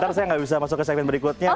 ntar saya ga bisa masuk ke segmen berikutnya